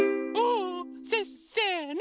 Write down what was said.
せっせの。